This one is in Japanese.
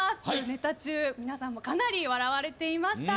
ネタ中皆さんもかなり笑われていました。